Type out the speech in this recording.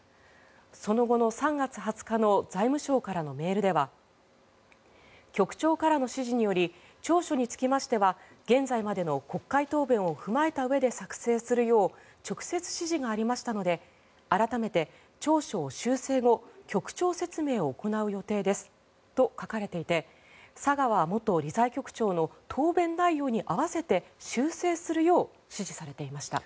その後の３月２０日の財務省からのメールでは局長からの指示により調書につきましては現在までの国会答弁を踏まえたうえで作成するよう直接指示がありましたので改めて調書を修正後局長説明を行う予定ですと書かれていて佐川元理財局長の答弁内容に合わせて修正するよう指示されていました。